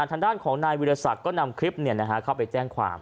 ทางด้านของนายวิทยาศักดิ์ก็นำคลิปเข้าไปแจ้งความ